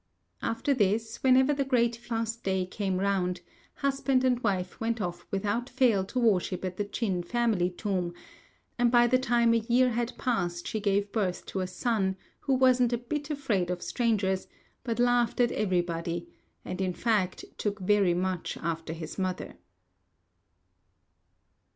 After this, whenever the great fast day came round, husband and wife went off without fail to worship at the Ch'in family tomb; and by the time a year had passed she gave birth to a son, who wasn't a bit afraid of strangers, but laughed at everybody, and in fact took very much after his mother.